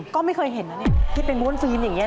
ก็ไม่เคยเห็นน่ะนี่ที่เป็นมวลฟิล์มอย่างนี้นะ